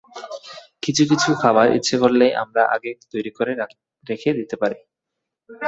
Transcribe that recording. কিছু কিছু খাবার ইচ্ছে করলেই আমরা আগে তৈরি করে রেখে দিতে পারি।